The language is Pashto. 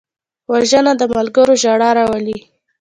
وژنه د ملګرو ژړا راولي